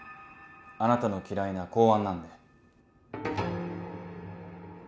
あなたの嫌いな公安なんで。